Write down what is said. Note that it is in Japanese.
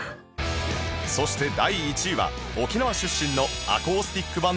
そして第１位は沖縄出身のアコースティックバンドがランクイン